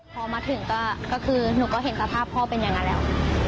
พอมาถึงก็คือหนูก็เห็นสภาพพ่อเป็นอย่างนั้นแล้ว